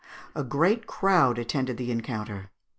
A great crowd attended the encounter.